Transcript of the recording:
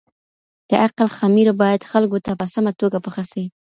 د عقل خميره بايد خلګو ته په سمه توګه پخه سي.